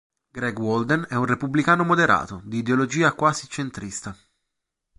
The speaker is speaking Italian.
Greg Walden è un repubblicano moderato, di ideologia quasi centrista.